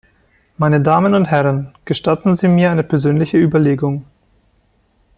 Meine Damen und Herren, gestatten Sie mir eine persönlichen Überlegung.